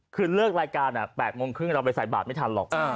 คือเลิกรายการ๘โมงครึ่งเราไปใส่บาทไม่ทันหรอก